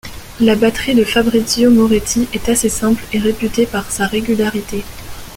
La batterie de Fabrizio Moretti est assez simple et réputée par sa régularité.